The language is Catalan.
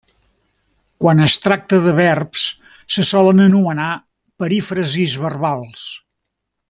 Quan es tracta de verbs, se solen anomenar perífrasis verbals.